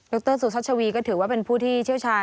โรคเตอร์สูญศาสทชวีก็ถือว่าเป็นผู้ที่เฉียวชาญ